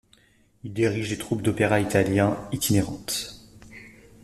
Il dirige les troupes d'opéra italien itinérantes.